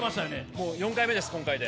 もう４回目です、今回で。